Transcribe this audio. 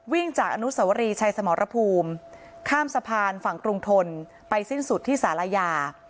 วิ่งจากอนุสวรีชัยสมรภูมิข้ามสะพานฝั่งกรุงทนไปสิ้นสุดที่ศาลายา